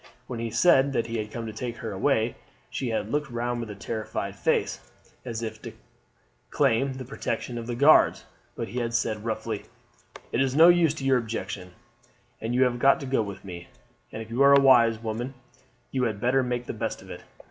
When he said that he had come to take her away, she had looked round with a terrified face, as if to claim the protection of the guards; but he had said roughly: "It is no use your objecting, you have got to go with me; and if you are a wise woman you had better make the best of it.